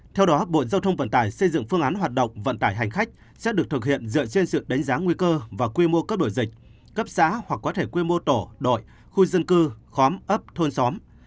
theo đó bộ giao thông vận tải xây dựng phương án hoạt động vận tải hành khách sẽ được thực hiện dựa trên sự đánh giá nguy cơ và quy mô các đội dịch cấp xã hoặc có thể quy mô tổ đội khu dân cư khóm ấp thôn xóm